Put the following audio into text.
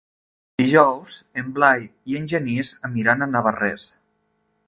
Dijous en Blai i en Genís aniran a Navarrés.